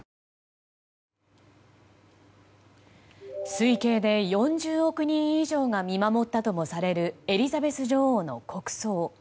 推計で４０億人以上が見守ったともされるエリザベス女王の国葬。